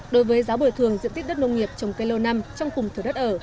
đối với giá bồi thường diện tích đất nông nghiệp trồng cây lâu năm trong cùng thử đất ở